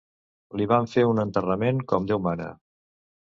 Li van fer un enterrament com Déu mana.